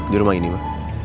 di rumah ini ma